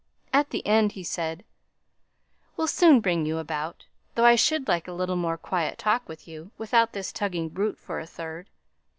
At the end he said, "We'll soon bring you about, though I should like a little more quiet talk with you, without this tugging brute for a third.